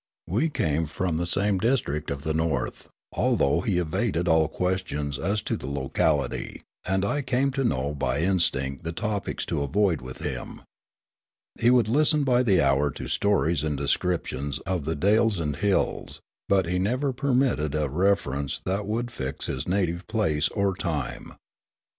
We came from the same district of the North, although he evaded all questions as to the localit)' ; and I came to know by instinct the topics to avoid with him. He would listen by the hour to stories and descriptions of the dales and hills ; but he never permitted a reference that would fix his native place or time.